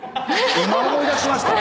今思い出しました？